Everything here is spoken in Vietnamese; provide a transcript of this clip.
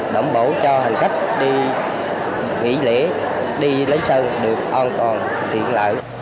đảm bảo cho hành khách đi đảo trong dịp này